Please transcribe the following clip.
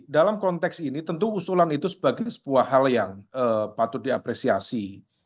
dalam konteks ini tentu usulan itu sebagai sebuah hal yang patut diapresiasi